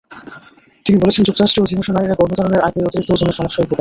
তিনি বলছেন, যুক্তরাষ্ট্রে অধিকাংশ নারীরা গর্ভধারণের আগেই অতিরিক্ত ওজনের সমস্যায় ভোগেন।